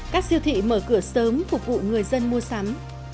các siêu thị mở cửa sớm phục vụ người dân mua sắm